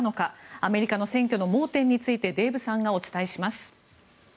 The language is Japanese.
アメリカの選挙の盲点についてデーブさんがお伝えします。